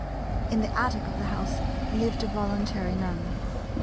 In the attic of the house lived a voluntary nun.